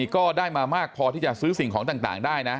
ก็ได้มามากพอที่จะซื้อสิ่งของต่างได้นะ